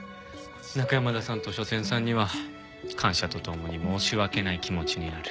中山田さんと書店さんには感謝と共に申し訳ない気持ちになる。